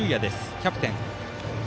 キャプテン。